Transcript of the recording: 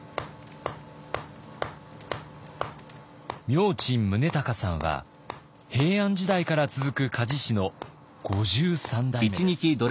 明珍宗敬さんは平安時代から続く鍛冶師の５３代目です。